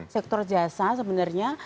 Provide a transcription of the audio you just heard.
sektor jasa sebenarnya